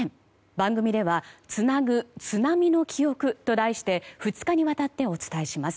番組ではつなぐ津波の記憶と題して２日にわたってお伝えします。